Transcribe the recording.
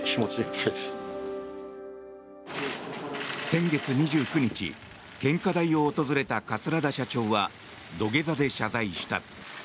先月２９日献花台を訪れた桂田社長は土下座で謝罪した。